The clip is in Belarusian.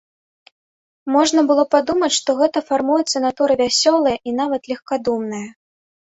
Можна было падумаць, што гэта фармуецца натура вясёлая і нават легкадумная.